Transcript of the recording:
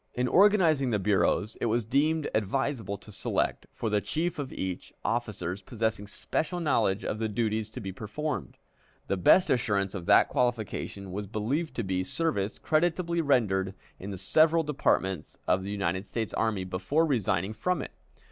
In organizing the bureaus, it was deemed advisable to select, for the chief of each, officers possessing special knowledge of the duties to be performed. The best assurance of that qualification was believed to be service creditably rendered in the several departments of the United States Army before resigning from it.